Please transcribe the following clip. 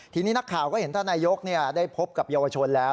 ทีนี้นักข่าวก็เห็นท่านนายกได้พบกับเยาวชนแล้ว